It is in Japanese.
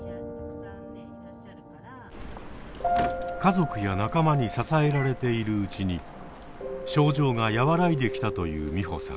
家族や仲間に支えられているうちに症状が和らいできたという美穂さん。